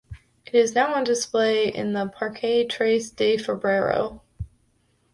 It is now on display in the Parque Tres de Febrero.